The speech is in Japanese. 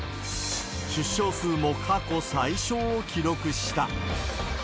出生数も過去最少を記録した。